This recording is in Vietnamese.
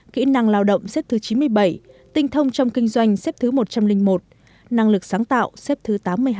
kỹ năng lao động xếp thứ chín mươi bảy tinh thông trong kinh doanh xếp thứ một trăm linh một năng lực sáng tạo xếp thứ tám mươi hai